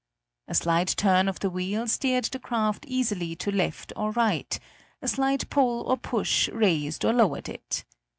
A slight turn of the wheel steered the craft easily to right or left, a slight pull or push raised or lowered it.